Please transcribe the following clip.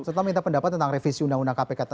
serta minta pendapat tentang revisi undang undang kpk